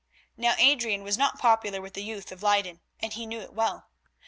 Now Adrian was not popular with the youth of Leyden, and he knew it well.